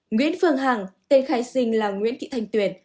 nguyễn phương hằng tên khai sinh là nguyễn thị thanh tuyền